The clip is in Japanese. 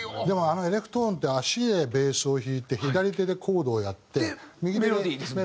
でもあのエレクトーンって足でベースを弾いて左手でコードをやって右手でメロディー。